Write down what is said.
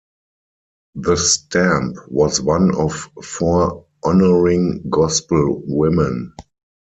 The stamp was one of four honoring gospel women.